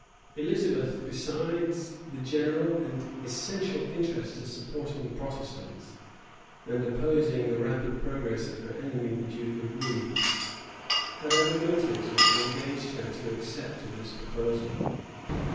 [*] Elizabeth, besides the general and essential interest of supporting the Protestants, and opposing the rapid progress of her enemy the duke of Guise, had other motives which engaged her to accept of this proposal.